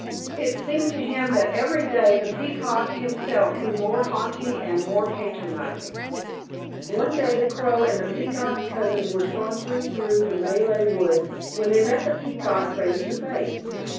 It seemed to him that every day the Peacock himself grew more haughty and more patronizing. One day the Crow and the Peacock's cousin were sauntering through the Malay woods when they met the Peacock face to face.